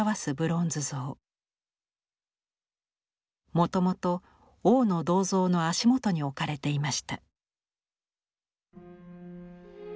もともと王の銅像の足元に置かれていました。